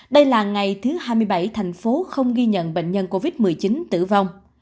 đây là ngày thứ hai mươi bảy thành phố không ghi nhận bệnh nhân covid một mươi chín tử vong